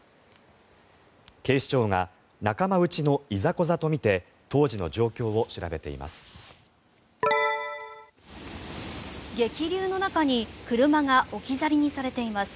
警視庁が仲間内のいざこざとみて当時の状況を調べています。